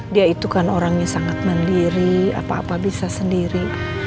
dia itu kan orangnya sangat mandiri apa apa bisa sendiri